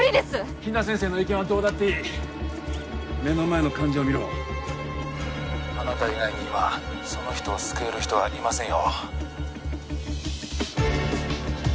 比奈先生の意見はどうだっていい目の前の患者をみろあなた以外に今その人を救える人はいませんよ